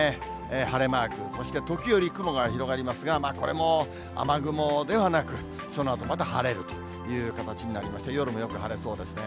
晴れマーク、そして時折、雲が広がりますが、これも雨雲ではなく、そのあとまた晴れるという形になりまして、夜もよく晴れそうですね。